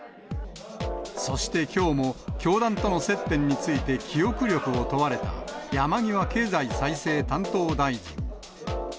そしてきょうも、教団との接点について、記憶力を問われた山際経済再生担当大臣。